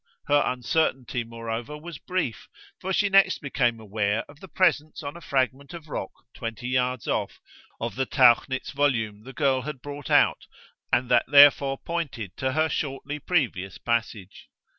Her uncertainty moreover was brief, for she next became aware of the presence on a fragment of rock, twenty yards off, of the Tauchnitz volume the girl had brought out and that therefore pointed to her shortly previous passage.